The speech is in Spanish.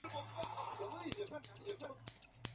Militó toda su vida en el Partido Conservador.